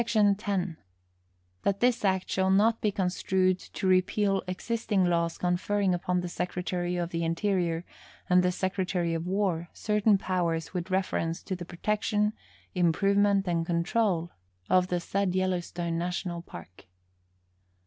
SEC. 10. That this Act shall not be construed to repeal existing laws conferring upon the Secretary of the Interior and the Secretary of War certain powers with reference to the protection, improvement and control of the said Yellowstone National Park.